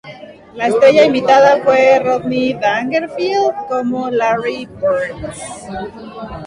La estrella invitada fue Rodney Dangerfield como Larry Burns.